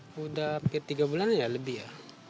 sudah hampir tiga bulan ya lebih ya